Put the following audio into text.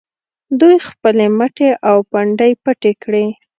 دوی خپلې مټې او پنډۍ پټې کړي.